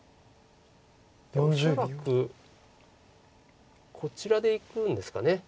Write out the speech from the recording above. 恐らくこちらでいくんですか。